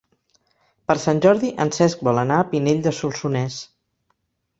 Per Sant Jordi en Cesc vol anar a Pinell de Solsonès.